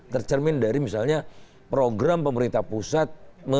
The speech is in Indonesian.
tercermin dari misalnya program pemerintah pusat